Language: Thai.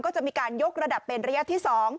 ก็จะมีการยกระดับเป็นระยะที่๒